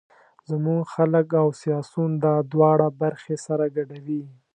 زموږ خلک او سیاسون دا دواړه برخې سره ګډوي.